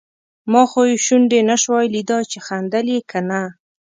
ما خو یې شونډې نشوای لیدای چې خندل یې که نه.